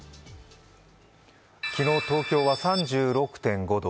昨日、東京は３６．５度。